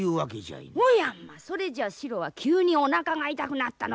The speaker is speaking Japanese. おやまあそれじゃシロは急におなかが痛くなったのかい？